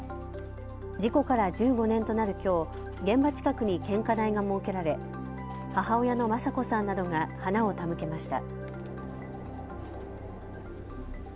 事故から１５年となるきょう現場近くに献花台が設けられ母親の正子さんなどが花を手向けました。